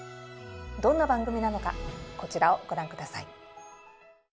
どんな番組なのかこちらをご覧下さい。